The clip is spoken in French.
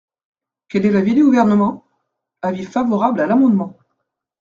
Quel est l’avis du Gouvernement ? Avis favorable à l’amendement.